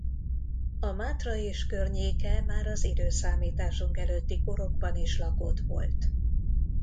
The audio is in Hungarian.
A Mátra és környéke már az időszámításunk előtti korokban is lakott volt.